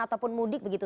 ataupun mudik begitu